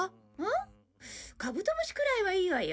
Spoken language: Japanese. カブトムシくらいはいいわよ。